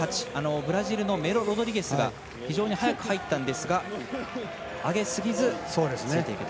ブラジルのメロロドリゲスが非常に早く入ったんですが上げすぎず、ついていけた。